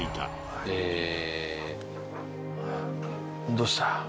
どうした？